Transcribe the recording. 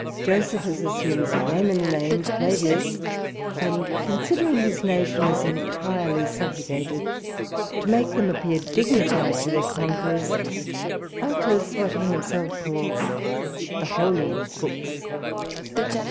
Josephus assumes a Roman name, Flavius; and considering his nation as entirely subjugated, to make them appear dignified to their conquerors, alters what he himself calls the Holy books.